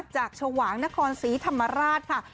ชวางนครศรีธรรมราชค่ะ